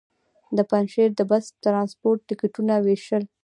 د پنجشېر د بس ټرانسپورټ ټکټونه وېشل.